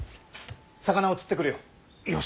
魚を釣ってくるよ。